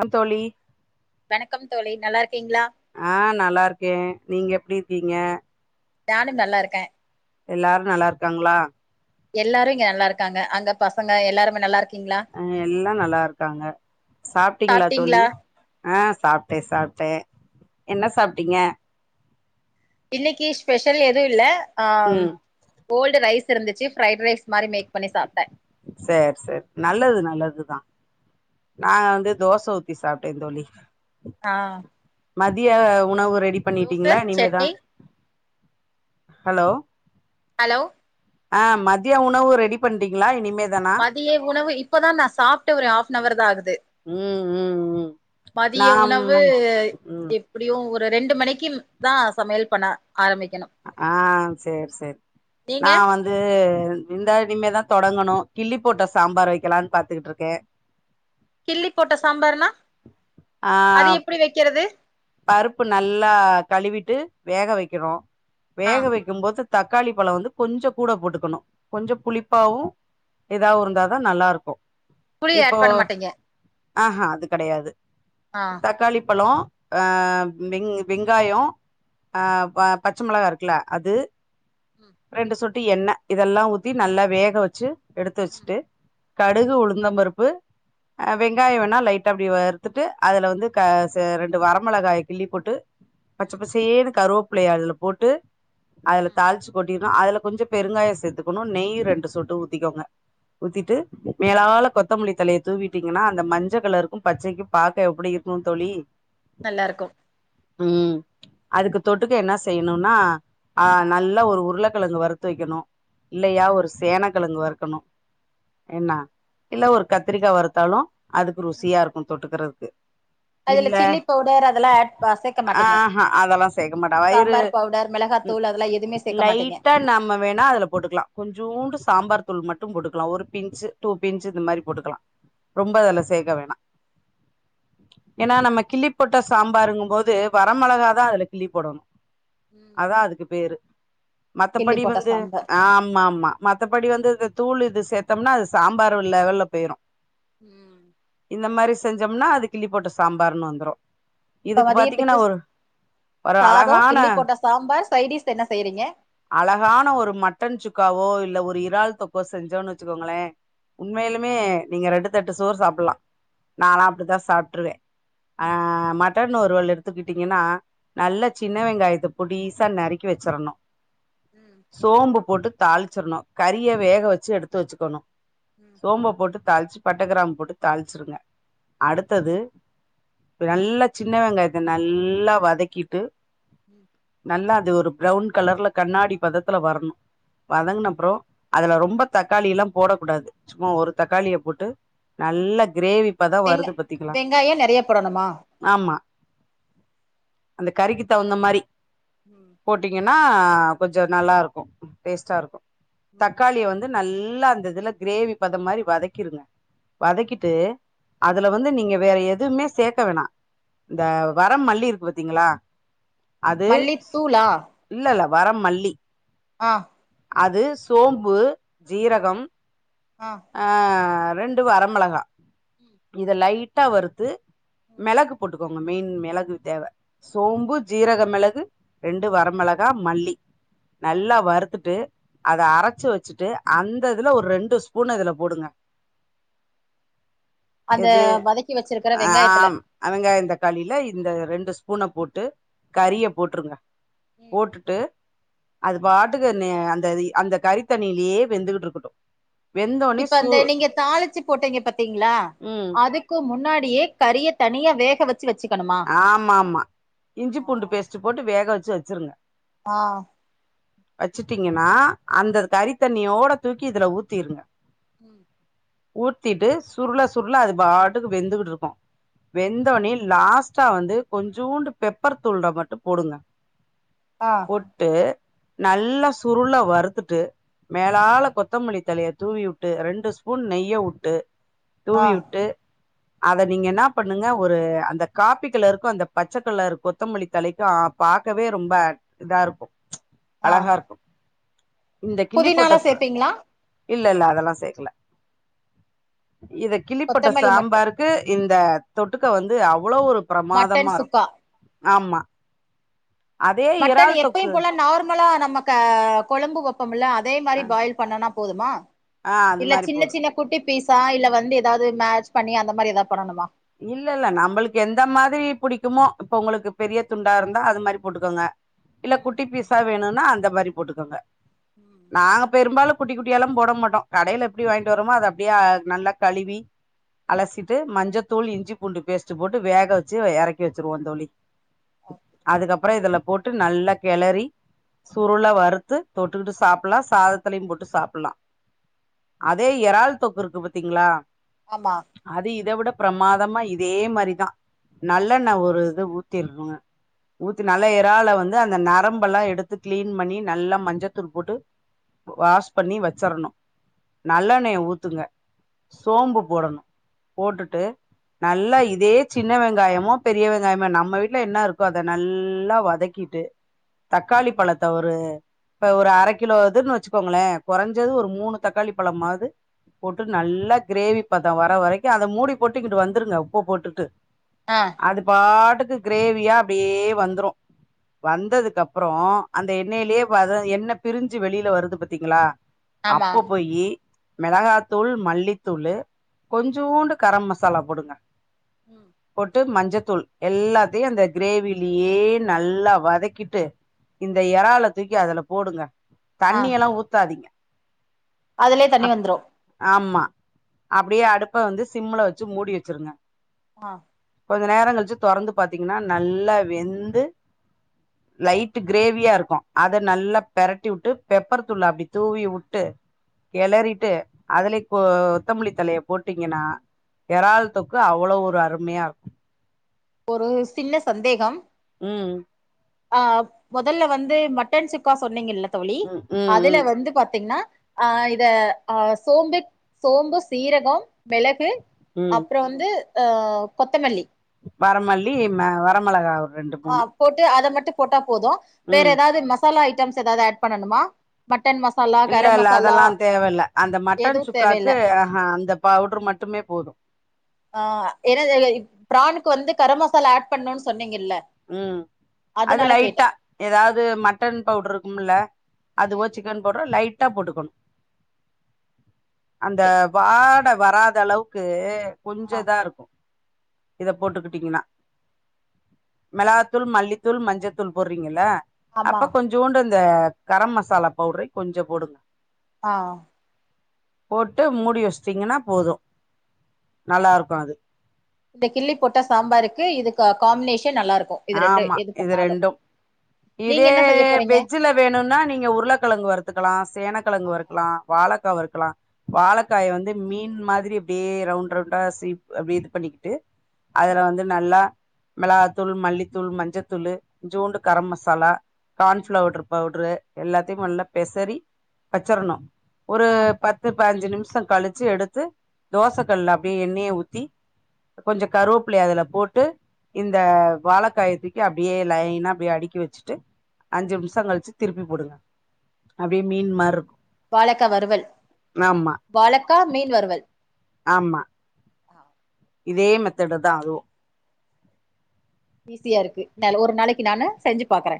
ஆ தோழி வணக்கம் தோழி நல்லா இருக்கீங்ளா ஆ நல்லா இருக்கே நீங்க எப்டி இருக்கீங்க நானு நல்லாருக்கே எல்லாரு நல்லாருக்காங்ளா எல்லாரு இங்க நல்லா இருக்காங்க அங்க பசங்க எல்லாருமே நல்லா இருக்காங் ஆ எல்லா நல்லா இருக்காங்க சாப்டீங்களா சாப்ட்டீங்களா தோழி ஆ சாப்டே சாப்டே என்ன சாப்ட்டீங்க இன்னைக்கு ஸ்பெஷல் எது இல்ல ஆ ம் ஓல்டு ரைஸ் இருந்துச்சு ப்ரைடு ரைஸ் மாரி மேக் பண்ணி சாப்டே சேர் சேர் நல்லது நல்லதுதா நாங்க வந்து தோச ஊத்தி சாப்ட்டே தோழி ஆ மதிய உணவு ரெடி தோச பண்ணிட்டீங்ளா இனிமேதா சட்னி ஹலோ ஹலோ ஆ மதிய உணவு ரெடி பண்டிங்ளா இனி மதிய உணவு இப்பதா நா சாப்ட்டு ஒரு ஹாப் நவர் தா ஆகுது உம் உம் மதிய உணவு இப் ம் எப்படியு ஒரு ரெண்டு மணிக்கு தா சமையல் பண்ண ஆரம்பிக்கணு ஆ சேர் சேர் நீங்க நா வந் து விந்தா இனிமே தா தொடங்கணு கிள்ளி போட்ட சாம்பார் வெக்கலான்னு பாத்துட்டு இருக்கே [inaudible] கிள்ளி போட்ட சாம்பார்னா ஆ அது எப்புடி வெக்கிறது பருப்பு நல்லா கழுவிட்டு வேக வெக்கிறோ ஆ வேக வெக் கும் போது தக்காளி பழோ வந்து கொஞ்சோ கூட போட்டுக்கணு கொஞ்சோ புளிப்பாவும் எதாவு இருந்தாதா நல்லா இருக்கும் புளி ஆட் இப்போ பண்ண மாட்டீங்க ஆ ஹா அது கெடையாது ஆ தக்காளி பழோ அ வெங் வெங்காயோ ஆ பச்ச மொளகா இருக்குல்ல அது ம் ரெண்டு சொட்டு எண்ணெ இதெல்லா ஊத்தி நல்லா வேக வச்சு எடுத்து ம் வச்சுட்டு கடுகு ம் உளுந்தம்பருப்பு அ ம் வெங்காயம் வேணா லைட்டா அப்புடி வறுத்துட்டு அதுல வந்து க ச ரெண்டு வரமிளகாய கிள்ளி போட்டு ம் பச்சை பசேன்னு கருவாப்பிள்ளைய அதுல போட்டு அதுல நல்லாருக்கு தாளிச்சு அப்டின்னா அதுல கொஞ்சோ பெருங்காயம் சேத்துணு நெய் ரெண்டு சொட்டு ஊத்திகோங்க ஊத்திட்டு மேலாலவுல கொத்தமல்லி தலைய தூவிட்டீங்கன்னா அந்த மஞ்சள் கலருக்கும் பச்சைக்கும் பாக்க எப்டி இரு கும் தோழி நல்லா இருக்கும் உம் அதுக்கு தொட்டுக்க என்னா செய்யணுன்னா ஆ நல்லா ஒரு உருளக்கெழங்கு வறுத்து வெக்கணு இல்லையா ஒரு சேனக்கெழங்கு வறுக்கணு என்னா இல்ல ஒரு கத்திரிக்கா வறுத்தாலு அதுக்கு ருசியா இருக்கும் தொட்டுக்றதுக்கு அதுல சில்லி பவுடர் அதெல்லா ஆட் சேக்க மாட்டீங்க ஆஹா அதெல்லா சேக்க மாட்டா வயிறு சாம்பார் பவுடர் மெளகாத் தூள் அதெல்லா எதுமே சேக்க மாட்டீங்க லைட்டா நம் ம வேணா அதுல போட்டுக்கலா கொஞ்சூண்டு சாம்பார் தூள் மட்டு போட்டுக்கலா ஒரு பின்ஞ்ச் டூ பின்ஞ்ச் இந்த மாறி போட்டுக்கலா ரொம்ப ம் அதுல சேக்க வேணா ஏன்னா நம்ம கிள்ளி போட்ட சாம்பாருங்கும் போது வர மெளகாதா அதுல கிள்ளி போடணு ம் அத்தா அதுக்கு பேரு கிள்ளி மத்தபடி போட்ட வந்து சாம்பார் ஆமா ஆமா மத்தபடி வந்து இந்த தூள் இது சேத்தம்ன்னா அது சாம்பார் லெவல்ல போயிடு ம் இந்த மாறி செஞ்சம்னா அது கிள்ளி போட்ட சாம்பார்ன்னு வந்துரு இப்ப இதுக்கு பாத்தீங்கன்னா மதியத்துக்கு ஒரு ஒரு சாதோ அழகான கிள்ளி போட்ட சாம்பார் சைடிஸ் என்ன செய்யறீங்க அழகான ஒரு மட்டன் சுக்காவோ இல்ல ஒரு இறால் தொக்கோ செஞ்சோன்னு வச்சுக்கோங்ளே உண்மையிலுமே நீங்க ரெண்டுத்தட்டு சோறு சாப்புல்லா நால்லா அப்டிதா சாப்ட்டுருவே ஆ மட்டன் வருவல் எடுத்துக்கிட்டீங்கன்னா நல்ல ம் சின் ன வெங்காயத்த பொடிசா நறுக்கி வச்சிரணு ம் சோம்பு போட்டு தாள்ச்சிரணு கறிய வேக வச்சு எடுத்து வச்சுக்கணு ம் ம் சோம்ப போட்டு தாள்ச்சி பட்ட கிராம் போட்டு தாள்ச்சிருங்க ம் அடுத்தது நல்ல சின்ன வெங்காயத்த நல்லா வதக்கிட்டு ம் நல்ல அது ஒரு ப்ரௌன் கலர்ல கண்ணாடி பதத்துல வர்ணு ம் வதங் அப்றோ அதுல ரொம்ப தக்காளியெல்லா போடக்கூடாது சும்மா ஒரு தக்காளிய போட்டு நல்லா கிரேவி இப்பதா வருது பாத்தீங்களா இல்லவெங்காயு நெறைய போடணுமா ஆமா அந்த கறிக்கி தவுந்த மாரி ம் போட்டீங்கன்னா கொஞ்ஜோ நல்லா இருக்கு டேஸ்டா இருக்கு ம் தக்காளிய வந்து நல்லா அந்த இதுல கிரேவி பத மாரி வதக்கிருங்க வதக்கிட்டு ம் அதுல வந்து நீங்க வேற எதுவுமே சேக்க வேணா இந்த ம் வரம் மல்லி இருக்கு பாத்தீங்களா அது மல்லித்தூளா இல்லல்ல வரமல்லி ஆ அது சோம்பு ஆ ஜீரகம் ஆ ஆ ரெண்டு வரமெளகா ம் இத லைட்டா வருத்து ம் மெளகு போட்டுக்கோங்க மெயின் மெளகு தேவ ம் சோம்பு ஜீரக மெளகு ரெண்டு வரமெளகா மல்லி ம் நல்லா வறுத்துட்டு அத அரச்சி வச்சிட்டு அந்த இதுல ஒரு ரெண்டு ஸ்பூன இதுல போடுங்க அந்த இது வதக்கி வச்சிருக்கிற வெங்காயத்துல ஆம் அவங்க இந்த தக்காளில இந்த ரெண்டு ஸ்பூன போட்டு ஆ கறிய போட்ருங்க ம் போடுட்டு அது பாட்டுக்கு அந்த அந்த கறித்தண்ணியிலே வெந்துகிட்டு இருக்கட்டு வெந்தோனே இப்ப சூ அந்த நீங்க தாளிச்சி போட்டீங்க பாத்தீங்களா ம் அதுக் க்கு முன்னாடியே கரிய தனியா வேகவத் ச்சி வச்சிக்கணுமா ஆமாமா இஞ்சி பூண்டு பேஸ்ட் போட்டு வேக வச்சி வச்சிருங்க ஆ ஆ வச்சிட்டீங்கனா அந்த கறிதண்ணியோட தூக்கி இதுல ஊத்திருங்க உம் ஊத்திட்டு சுருள சுருள அது பாட்டுக்கு வெந்துகிட்டு இருக்கு வெந்தோனே லாஸ்ட் ஸ்டா வந்து கொஞ்சூண்டு பெப்பர் தூள்ள மட்டு போடுங்க ஆ போட்டு நல்லா சுருளா வறுத்துட்டு மேலால கொத்தமல்லி தலைய தூவிவுட்டு ரெண்டு ஸ்பூன் நெய்ய உட்டு ஆ தூவிவுட்டு அத நீங்க இனா பண்ணுங்க ஒரு அந்தக் காப்பி கலருக்கும் அந்த பச்சகலர் கொத்தமல்லி தலைக்கு பாக்கவே ரொம்ப இதா இருக்கு ஆ அழகா இருக்கு இந்த கிள்ளி போட்ட புதினாலா ச சேப்பீங்களா இல்லல்ல அதெல்லா சேக்கல இத கிள்ளி போட்ட கொத்தமல்லி மட்டு சாம்பாருக் க்கு இந்த தொட்டுக்க வந்து அவ்ளோ ஒரு பிரமாதமா மட்டன் இருக்கு சுக்கா ஆமா அதே மட்டன இறால் எப்பயு தொக்கு போல நார்மலா நம்ம க கொழும்பு வெப்பமில்ல அதே மாறி பாயில் பண்ணனா போதுமா ஆ அது இல்ல மாரி போது சின்ன சின்ன குட்டி பீஸா இல்ல வந்து ஏதாது மேட்ச் பண்ணி அந்த மாறி ஏதாது பண்ணனுமா இல்லல்ல நம்ளுக்கு எந்த மாதிரி புடிக்குமோ இப்ப உங்ளுக்கு பெரிய துண்டா இருந்தா அது மாரி போட்டுகோங்க இல்ல குட்டி பீஸா வேணுனா அந்த மாறி போட்டுகோங்க நாங்க பெரும்பாலு குட்டி குட்டியாலா போட மாட்டோ கடையில எப்டி வாங்கிட் வற்ரமோ அத அப்டியே நல்லா கழுவி அலசிட்டு மஞ்சத்தூள் இஞ்சி பூண்டு பேஸ்ட் போட்டு வேக வச்சி எறக்கி வச்சிருவோ தோழி அதுக்கப்புரோ இதுல போட்டு நல்லா கெளறி சுருளா வறுத்து தொட்டுக்குட்டு சாப்புல்லா சாதத்துலையும் போட்டு சாப்புட்லா அதே எறால் தொக்கு இருக்கு பாத்தீங்களா ஆமா அது இத விட ப்ரமாதமா இதே மாறி தா நல்லண்ண ஒரு இது ஊத்திருக்குங்க ஊத்தி நல்லா எறால வந்து அந்த நரம்பல்லா எடுத்து கிளீன் பண்ணி நல்லா மஞ்சத்தூள் போட்டு வாஷ் பண்ணி வச்சரணு நல்லெண்ணய ஊத்துங்க சோம்பு போடணு போட்டுட்டு நல்லா இதே சின்ன வெங்காயமோ பெரிய வெங்காயமோ நம்ம வீட்டுல என்ன இருக்கோ அத நல்லா வதக்கிட்டு தக்காளி பழத்த ஒரு இப்ப ஒரு அர கிலோ அதுன்னு வச்சுக்கோங்களே கொறைஞ்சது ஒரு மூணு தக்காளி பழமாது போட்டு நல்லா க்ரேவி பதோ வர வரைக்கு அத மூடி போட்டுங் வந்துருங்க உப்ப போட்டுட்டு அ அது பாட்டுக்கு க்ரேவியா அப்டியே வந்துரு வந்ததுக்கு அப்றோ அந்த எண்ணெயிலயே வத எண்ண பிரிஞ்சு வெளில வருது பாத்தீங்களா ஆமா அப்ப போயி மெளகாத்தூள் மல்லித்தூளு ம் கொஞ்சோண்டு கரம் மசாலா போடுங்க போட்டு மஞ்சத்தூள் எல்லாத்தையு அந்த க்ரேவிலேயே நல்லா வதக்கிட்டு இந்த எறல தூக்கி அதுல போடுங்க தண்ணி எல்லா ஊத்தாதீங்க அதுலே தண்ணி வந்துரு ஆம்மா அப்டியே அடுப்ப வந்து சிம்ல வச்சு மூடி வச்சிருங்க மா கொஞ்ச நேரங் கழுச்சு தொறந்து பாத்தீங்கன்னா நல்லா வெந்து லைட் க்ரேவியா இருக்கு அத நல்லா பெரட்டி வுட்டு பெப்பர் தூள அப்டி தூவி வுட்டு கெளறிட்டு அதுலயே கொ கொத்தமல்லி தழைய போட்டீங்கென்னா எறால் தொக்கு அவ்ளோ ஒரு அருமையா இருக்கு ஒரு சின்ன சந்தேகம் ம் அ மொதல்ல வந்து மட்டன் சுக்கா சொன்னீங்கல்ல தோழி ம் ம் அதுல ம் வந்து பாத்தீங்னா ஆ இத ஆ சோம்பு சோம்பு சீரகம் மெளகு ம் அப்றோ வந்து அ கொத்தமல்லி வரமல்லி ம வரமெளகாவ ஆ போட்டு அத மட்டு போட்டா போது வேற ம் எதாவது மசாலா ஐட்டம்ஸ் எதாவது ஆட் பண்ணனுமா மட்டன் மசாலா இல்ல கரம் இல்ல மசாலா அதெல்லா தேவ இல்ல அந்த மட்டன் எதுவு சுக்காக்கு தேவையில்ல அந்த பவுட்ரு மட்டுமே போது ஆ என்னது ப்ரானுக்கு வந்து கரம் மசாலா ஆட் பண்ணுன்னு சொன்னீங்கெல்ல ம் அது லைட்டா எதாவது மட்டன் பவுட்ரு இருக்குமுல்ல அதுவோ ம் சிக்கன் பவுட்ரோ லைட்டா போட்டுக்கணு அந்த ஓகே வாட வராத அளவுக்கு கொஞ்ச ஆ இதா இருக்கு இத போட்டுக்கிட்டீங்னா மெளகாத்தூள் மல்லித்தூள் மஞ்சத்தூள் போட்றீங்கல்ல ஆமா அப்ப கொஞ் சோண்டு இந்த கரம் மசாலா பவுடரு கொஞ்சோ போடுங்க ஆ ஆ போட்டு மூடி வெஸ்டிங்கன்னா போது நல்லா இருக்கு அது இந்த கிள்ளி போட்ட சாம்பாருக்கு இது கா காம்பினேஷன் நல்லாருக்கு ஆமா இது ரெண்டும் நீங்க இதே என்ன செய்ய போறீங்க வெஜ்ஜில வேணுன்னா நீங்க உருளக்கெழங்கு வர்த்துக்கலா சேனக்கெழங்கு வறுக்கலா வாழக்கா வறுக்கலா வாழக்காய வந்து மீன் மாதிரி அப்டியே ரவுண்ட் ரவுண்டா சீவ் அப்டியே இது பண்ணிக்கிட்டு அதுல ம் வந்து நல்லா மெளகாத்தூள் மல்லித்தூள் மஞ்சத்தூளு கொஞ்சோண்டு ஆ கரம் மசாலா ம் கான்ஃபிளவுட்ரு பவுட்ரு எல்லாத்தையும் ம் நல்லா பெசரி வச்சரணும் ஒரு ஆ பத் த்து பாஞ்சி நிம்ஷோ கழிச்சி எடுத்து தோச கல்ல அப்டியே எண்ணெய ஊத்தி கொஞ்சம் கருவேப்புலைய அதுல போட்டு இந்த வாழக்காய தூக்கி அப்டியே லைனா அப்டியே அடிக்கி வெச்சுட்டு அஞ்சி ம் நிம்ஷோ கழிச்சு திருப்பி போடுங்க அப்டியே மீன் மார்ருக் வாழக்கா வருவல் வாழக்கா மீன் வருவல் ஆமா இதே மெத்தடு தா அதுவும் ஈஸியா இருக்கு ந ஒரு நாளைக்கு நானு செஞ்சு பாக்குற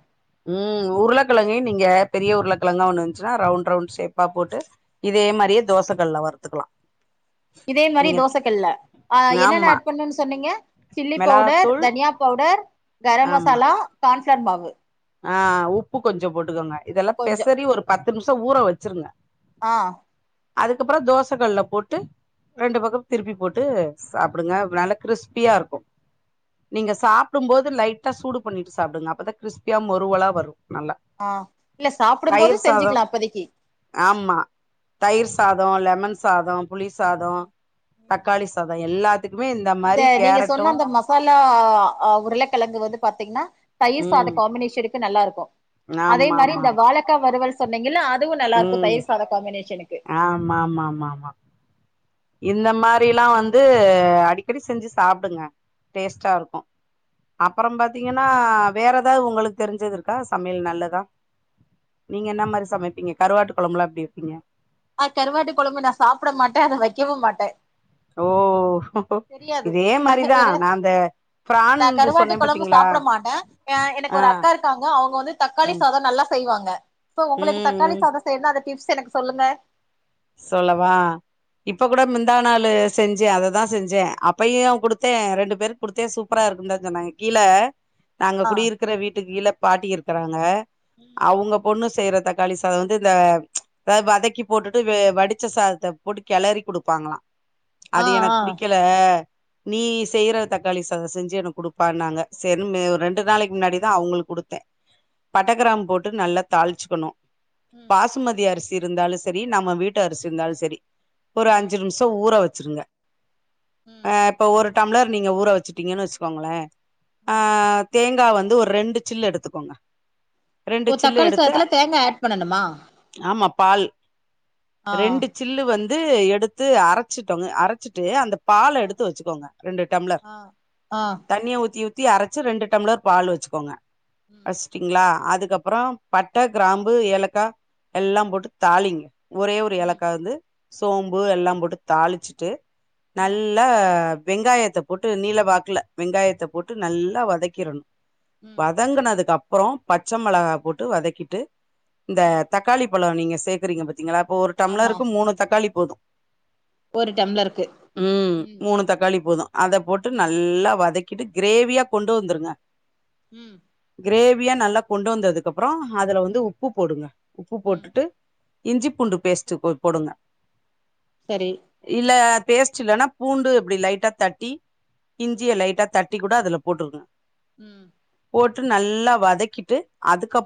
ம் உருளக்கெழங்கையும் நீங்க பெரிய உருளக்கெழங்கா ஒண்ணு இர்ந்ச்சுன்னா ரவுண்ட் ரவுண்ட் ஷேப்பா போட்டு இதே மாரியே தோச கல்ல வருத்துக்கலா இதே மாரி தோச கல்ல ஆ என்னென்ன ஆமா ஆட் பண்ணும் சொன்னீங்க சில்லி பவுடர் மிளகாத்தூள் தனியா பவுடர் கரம் ஆமா மசாலா கான்ஃபிளர் மாவு ஆ உப்பு கொஞ்சம் போட்டுக்கோங்க உப்பு இதெல்லா கொஞ்சோ பெசறி ஒரு பத்து நிம்ஷோ ஊற வச்சிருங்க ஆ அதுக்கப்புறோ தோச கல்ல போட்டு ரெண்டு பக்கம் திருப்பி போட்டு சாப்பிடுங்க நல்லா கிரிஸ்பியா இருக்கும் நீங்க சாப்டும்போது லைட்டா சூடு பண்ணிட்டு சாப்டுங்க அப்பதா கிரிஸ்பியா மொறுவலா வரும் ஆ இல்ல சாப்டும் போது சாதோ செஞ்சுக்லா அப்போதிக்கு ஆமா தயிர் சாதம் லெமன் சாதம் புளி சாதம் ம் ம் தக்காளி சாதம் எல்லாத்துக்குமே இந்த மாரி நீங்க சொன்ன கேரட்டும் அந்த மசாலா அ உருளக்கெழங்கு வந்து பாத்தீங்ன்னா தயிர் சாத ம் காம்பினேஷனுக்கு நல்லா இருக்கும் அதே ஆமா மாரி ஆமா இந்த ஆமா வாழக்கா வறுவல் சொன்னீங்கல்ல அதுவும் நல்லா இருக்கும் தயிர் சாத காம்பினேஷனுக்கு ஆமாமாமாமா இந்த மாரில்லா வந்து அடிக்கடி செஞ்சி சாப்டுங்க டேஸ்ட்டா இருக்கோ அப்பறோ பாத்தீங்கன்னா வேற எதாவ்து உங்களுக் தெரிஞ்சது இருக்கா சமையல் நல்லதா நீங்க என்ன மாரி சமைப்பீங்க கருவாட்டு கொழம்புலா எப்டி வெப்பீங்க ஆ கருவாட்டு கொழம்பு நா சாப்ட மாட்ட அத வெக்கவே மாட்ட ஓ இதே மாரிதா ஏன்னா நா அந்த பிரான் நா இது கருவாட்டு சொன்னே கொழம்பு பாத்தீங்களா சாப்ட மாட்ட எனக்கு ஆ ஒரு அக்கா இருக்காங்க அவங்க வந்து தக்காளி ம் சாதோ நல்லா செய்வாங்க சோ உங்களுக்கு ம் தக்காளி ம் சாதோ செய்னா அந்த டிப்ஸ் எனக்கு சொல்லுங்க சொல்லவா இப்ப கூட முந்தா நாளு செஞ்ச அத தா செஞ்சே அப்பையோ குடுத்தே ரெண்டு பேரு குடுத்தே சூப்பரா இருக்குன் தா சொன்னாங்க கீழ நாங்க ஆ குடியிருக்கிற வீட்டுக்கு கீழ பாட்டி இருக்கறாங்க அவுங்க பொண்ணு செய்ற தக்காளி சாதோ வந்து இந்த அத வதக்கி போட்டுட் ட்டு வடிச்ச சாதத்த போட்டு கெலரி குடுப்பாங்களா ஆ அது எனக் ஆ புடிக்கல நீ செய்ற தக்காளி சாதோ செஞ்சி எனக் குடுப்பானாங்க செரின்னு ரெண்டு நாளைக்கு முன்னாடிதா அவுங்ளுக் குடுத்த பட்டகிராம் போட்டு நல்லா தாளிச்சுக்குனோ ம் பாசுமதி அரிசி இருந்தாலு செரி நம்ம வீட்டு அரிசி இருந்தாலு செரி ஒரு ம் அஞ்சி நிம் ஷோ ஊற வச்சிருங்க ம் ஆ இப்ப ஒரு டம்ளர் நீங்க ஊற வச்சுட்டீங்கன்னு வச்சுக்கோங்ளே ஆ ம் தேங்கா வந்து ஒரு ரெண்டு சில் எடுத்துக்கோங்க ரெண்டு ஓ சில்லு தக்காளி எடுத்து சாதத்துல தேங்கா ஆட் பண்ணணுமா ஆமா பால் ஆ ரெண்டு சில்லு வந்து எடுத்து அரைச்சிட்டு அரைச்சிட்டு அந்த பால ஆ எடுத்து வச்சிக்கோங்க ரெண்டு டம்ளர் ஆ ஆ தண்ணிய ஊத்தி ஊத் ஊத்தி அரைச்சி ரெண்டு டம்ளர் பால் வச்சுக்கோங்க ம் ங்களா அதுக்கப்பறோ பட்ட கிராம்பு ஏலக்கா எல்லா போட்டு தாளிங்க ஒரே ஒரு ம் ஏலக்கா வந்து சோம்பு எல்லா போட்டு தாளிச்சுட்டு நல் ம் ல வெங்காயத்த போட்டு நீலவாக்குல வெங்காயத்த போட்டு நல்ல வதக்கிறனு ம் வதங்குனதுக்கு அப்பறோ பச்ச மிளகா போட்டு வதக்கிட்டு இந்த ம் தக்காளி பலௌ நீங்க சேக்கறீங்க பாத்தீங்களா அப்போ ஒரு ஆமா டம்ளருக்கு மூணு தக்காளி போது ஒரு டம்ளருக்கு ம் மூணு தக்காளிப் போது அத போட்டு ம் நல்லா வதக்கிட்டு கிரேவியா கொண்டு வந்துருங்க ம் கிரேவியா நல்லா கொண்டு வந்ததுக்கு அப்பறோ அதுல வந்து உப்பு போடுங்க உப்பு ம் போட்டுட்டு இஞ்சி பூண்டு பேஸ்ட் போடுங்க செரி இல்ல பேஸ்ட் இல்லன்னா பூண்டு இப்டி லைட்டா தட்டி இஞ்சிய லைட்டா தட்டி கூட அதுல போட்ருனு ம் போட்டு நல்லா வதக்கிட்டு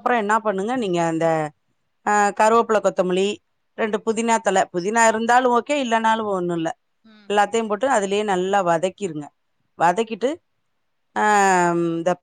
ம் என்ன பண்ணுங்க நீங்க அந்த அ கருவோப்பல கொத்தமல்லி ரெண்டு புதினா தல புதினா இருந்தாலு ஓகே இல்லன்னாலு ஒண்ணு இல்ல ம் எல்லாத்தையு போட்டு அதுலயே நல்லா வதக்கிருங்க வதக்கிட்டு ஆ இந்த